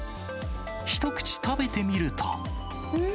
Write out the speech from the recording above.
一口食べてみると。